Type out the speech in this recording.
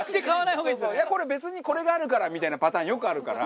これ別にこれがあるからみたいなパターンよくあるから。